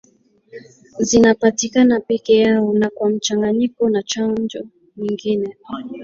Zinapatikana peke yao na kwa mchanganyiko na chanjo nyingine.